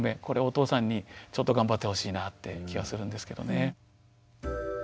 これはお父さんにちょっと頑張ってほしいなって気がするんですけどね。